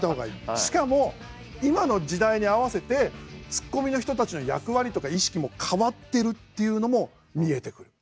しかも今の時代に合わせてツッコミの人たちの役割とか意識も変わってるっていうのも見えてくる。